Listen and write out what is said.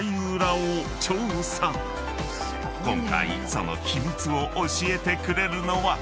［今回その秘密を教えてくれるのは］